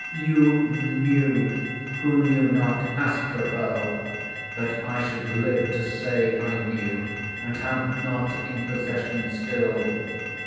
You knew—who knew not Astrophel? (That I should live to say I knew, And have not in possession still!)